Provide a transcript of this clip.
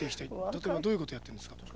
例えばどういうことをやってるんですか？